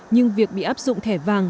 nhưng việc bị áp dụng thẻ vàng